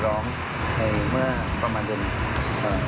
หลองให้เมื่อประมาณเดียว